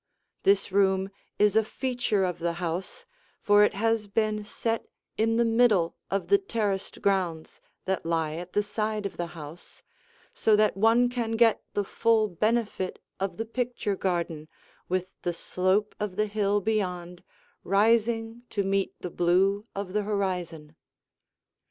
This room is a feature of the house, for it has been set in the middle of the terraced grounds that lie at the side of the house, so that one can get the full benefit of the picture garden with the slope of the hill beyond rising to meet the blue of the horizon.